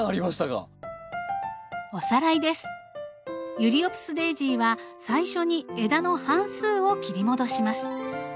ユリオプスデージーは最初に枝の半数を切り戻します。